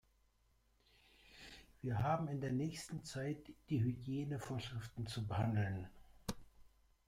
Wir haben in der nächsten Zeit die Hygienevorschriften zu behandeln.